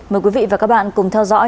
mời quý vị và các bạn cùng theo dõi